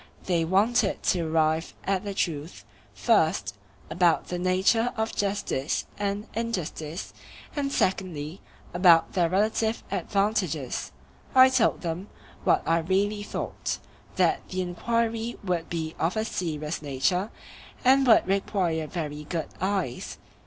They wanted to arrive at the truth, first, about the nature of justice and injustice, and secondly, about their relative advantages. I told them, what I really thought, that the enquiry would be of a serious nature, and would require very good eyes.